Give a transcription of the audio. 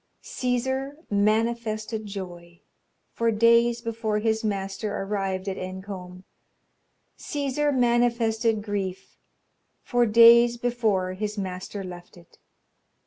Cæsar manifested joy, For days before his master Arrived at Encombe; Cæsar manifested grief For days before his master left it.